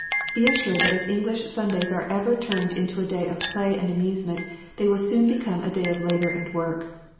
Be assured that if English Sundays are ever turned into a day of play and amusement, they will soon become a day of labour and work.